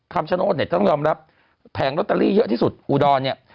คำชโนธเนี่ยต้องยอมรับแผงลอตเตอรี่เยอะที่สุดอุดรเนี่ย